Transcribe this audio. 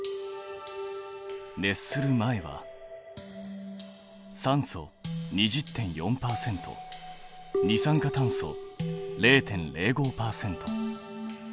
熱する前は酸素２０．４％二酸化炭素０．０５％。